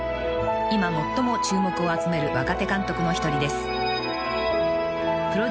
［今最も注目を集める若手監督の一人です］